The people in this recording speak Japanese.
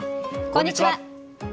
こんにちは。